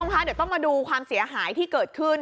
ค่ะเดี๋ยวต้องมาดูความเสียหายที่เกิดขึ้น